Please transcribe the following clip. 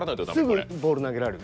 すぐボール投げられる。